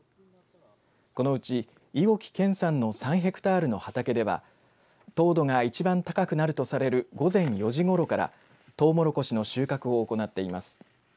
このうち伊尾木健さんの３ヘクタールの畑では糖度が一番高くなるとされる午前４時ごろからとうもろこしの収穫を行っています。